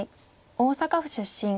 大阪府出身。